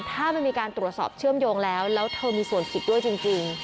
ถ้ามันมีการตรวจสอบเชื่อมโยงแล้วแล้วเธอมีส่วนผิดด้วยจริง